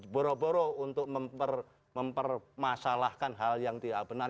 boro boro untuk mempermasalahkan hal yang tidak benar